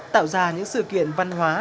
tạo ra những sự kiện văn hóa